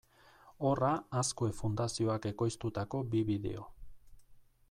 Horra Azkue Fundazioak ekoiztutako bi bideo.